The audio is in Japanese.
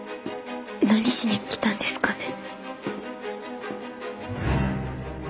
何しに来たんですかね？